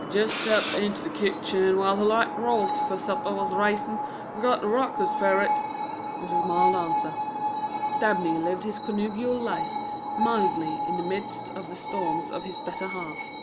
"I jist stepped into the kitchen while her light rolls fer supper was raisin' and got a ruckus fer it," was his mild answer. Dabney lived his connubial life mildly in the midst of the storms of his better half.